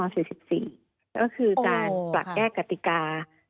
ก็คือการปรับแก้กติกา